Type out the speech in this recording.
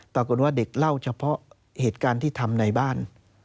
ปรากฏว่าเด็กเล่าเฉพาะเหตุการณ์ที่ทำในบ้าน